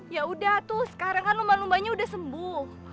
yaudah tuh sekarang kan lumba lumbanya udah sembuh